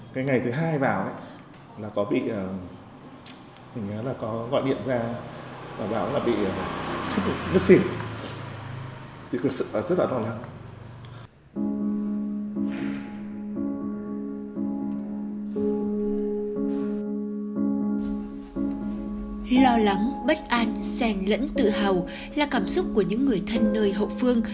cái ngày thứ hai vào ấy là có bị mình nhớ là có gọi điện ra và bảo là bị rất xỉn thì thực sự là rất là toàn năng